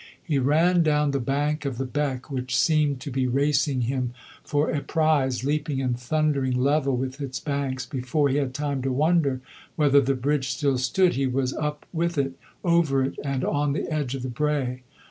He ran down the bank of the beck which seemed to be racing him for a prize, leaping and thundering level with its banks; before he had time to wonder whether the bridge still stood he was up with it, over it and on the edge of the brae.